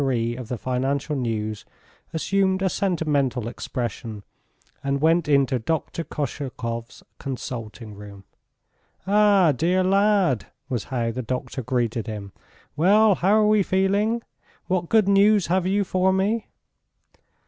223 of the Financial News, assumed a sentimental expression, and went into Dr. Koshelkov's consulting room. "Ah, dear lad!" was how the doctor greeted him. "Well! how are we feeling? What good news have you for me?"